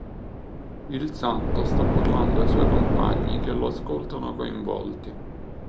Il santo sta parlando ai suoi compagni che lo ascoltano coinvolti.